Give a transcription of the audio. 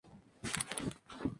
La sede del condado es Columbus.